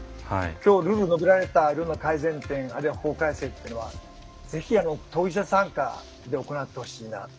今日述べられたような改善点あるいは法改正っていうのはぜひ当事者参加で行ってほしいなと。